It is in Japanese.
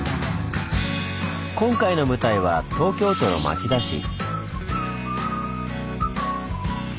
今回の舞台は東京都の町田市。